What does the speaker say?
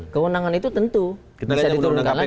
kewenangan itu tentu bisa diturunkan lagi